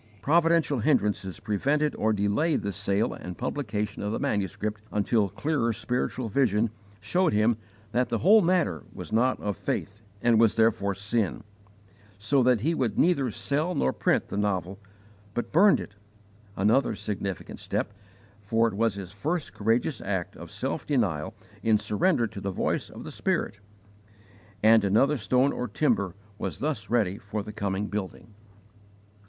Providential hindrances prevented or delayed the sale and publication of the manuscript until clearer spiritual vision showed him that the whole matter was not of faith and was therefore sin, so that he would neither sell nor print the novel, but burned it another significant step, for it was his first courageous act of self denial in surrender to the voice of the Spirit and another stone or timber was thus ready for the coming building.